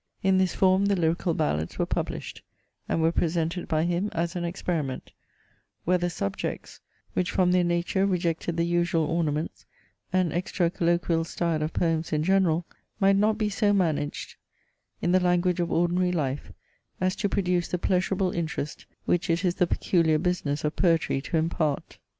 In this form the LYRICAL BALLADS were published; and were presented by him, as an experiment, whether subjects, which from their nature rejected the usual ornaments and extra colloquial style of poems in general, might not be so managed in the language of ordinary life as to produce the pleasurable interest, which it is the peculiar business of poetry to impart.